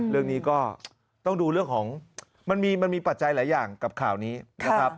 เรื่องนี้ก็ต้องดูเรื่องของมันมีปัจจัยหลายอย่างกับข่าวนี้นะครับ